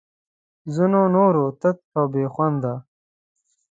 ځینو نورو تت او بې خونده